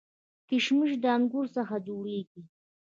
کشمش د انګورو څخه جوړیږي